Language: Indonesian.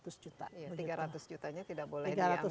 iya tiga ratus jutanya tidak boleh diambil